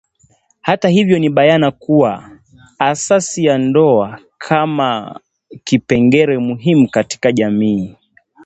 Hata hivyo ni bayana kuwa asasi ya ndoa kama kipengele muhimu katika jamii